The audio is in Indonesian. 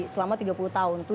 selama tiga puluh tahun